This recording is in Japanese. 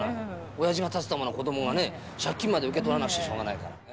おやじが建てたもの、子どもがね、借金まで受け取らなくちゃしょうがないから。